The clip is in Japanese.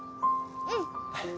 うん。